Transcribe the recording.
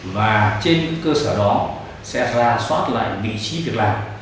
và trên những cơ sở đó sẽ ra soát lại vị trí việc làm